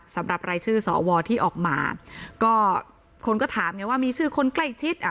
สำหรับรายชื่อสวที่ออกมาก็คนก็ถามไงว่ามีชื่อคนใกล้ชิดอ่ะ